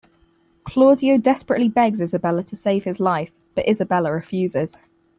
Claudio desperately begs Isabella to save his life, but Isabella refuses.